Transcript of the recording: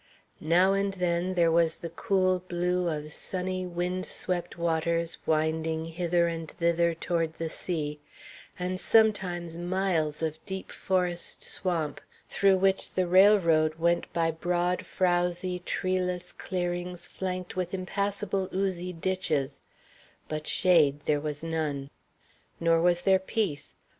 Now and then there was the cool blue of sunny, wind swept waters winding hither and thither toward the sea, and sometimes miles of deep forest swamp through which the railroad went by broad, frowzy, treeless clearings flanked with impassable oozy ditches; but shade there was none. Nor was there peace.